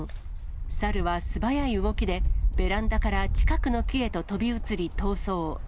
サルは素早い動きで、ベランダから近くの木へと飛び移り、逃走。